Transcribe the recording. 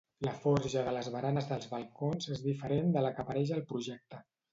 La forja de les baranes dels balcons és diferent de la que apareix al projecte.